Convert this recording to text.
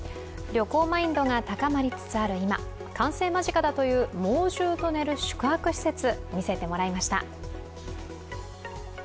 旅行マインドが高まりつつある今、完成間近だという猛獣と寝る宿泊施設、見せてもらいました。